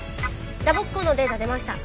打撲痕のデータ出ました。